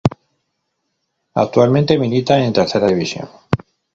Actualmente milita en Tercera División.